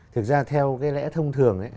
thực ra theo lẽ thông thường